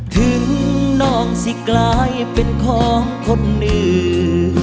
ถึงน้องสิกลายเป็นของคนอื่น